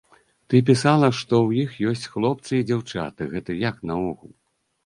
Ты пісала, што ў іх ёсць хлопцы і дзяўчаты, гэта як наогул?